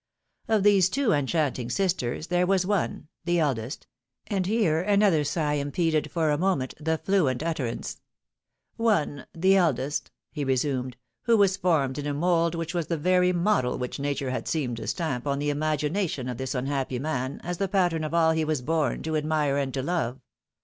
Of these two enchanting sisters, there was one — the eldest —" and here another sigh impeded, for a moment, the fluent utterance — "one — the eldest," he resumed, " who was formed in a mould which was the very model which nature had seemed to stamp on the imagination of this unhappy man as the pattern of all he was born to admire and to love.